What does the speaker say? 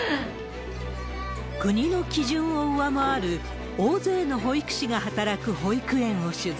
国の基準を上回る、大勢の保育士が働く保育園を取材。